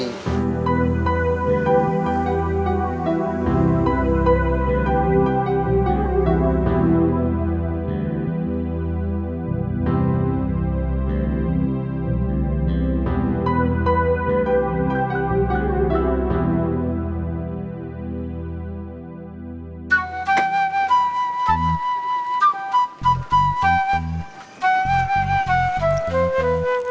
tidak ada nomor hpnya